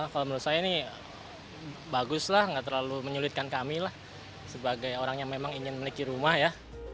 kalau menurut saya ini bagus lah nggak terlalu menyulitkan kami lah sebagai orang yang memang ingin memiliki rumah ya